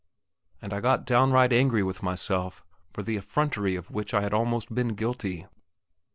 and I got downright angry with myself for the effrontery of which I had almost been guilty.